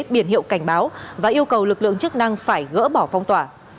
biển hiệu cảnh báo và yêu cầu lực lượng chức năng phải gỡ bỏ phong tỏa